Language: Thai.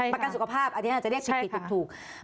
ประกันสุขภาพอันนี้อาจจะเรียกผิดถูก